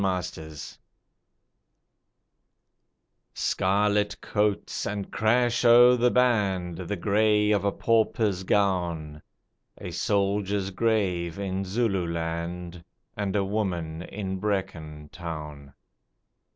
Isandlwana _Scarlet coats, and crash o' the band, The grey of a pauper's gown, A soldier's grave in Zululand, And a woman in Brecon Town.